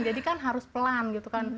jadi kan harus pelan gitu kan